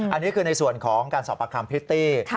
อันนี้คือในส่วนของการสอบประคัมพริตตี้